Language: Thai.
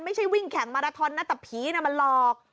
ไม่ใช่วิ่งแข่งมาราทอนนะแต่ผีน่ะมันหลอก